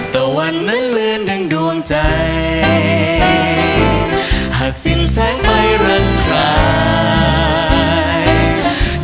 แต่วันนั้นเลือนดังดวงใจหากสิ้นแสงไฟรักใคร